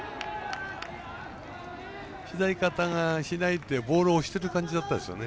左肩が開いてボールを押してる感じでしたよね